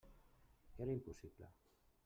Era impossible!